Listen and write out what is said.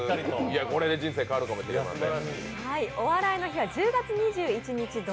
これで人生、変わるかもしれません。